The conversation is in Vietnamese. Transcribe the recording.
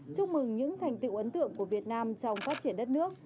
chúc mừng những thành tựu ấn tượng của việt nam trong phát triển đất nước